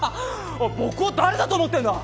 僕を誰だと思ってんだ！